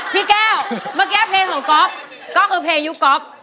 พี่แก้วเมื่อกี้เพลงของก๊อฟก็คือเพลงยุคก๊อฟ